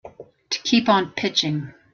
To keep on pitching.